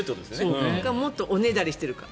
それかもっとおねだりしているか。